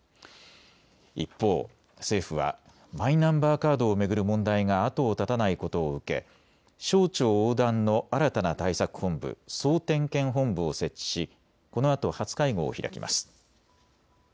一方、政府はマイナンバーカードを巡る問題が後を絶たないことを受け、省庁横断の新たな対策本部、総点検本部を設置しこのあと初会合を開きます。